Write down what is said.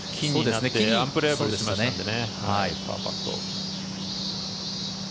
アンプレヤブルしましたのでね。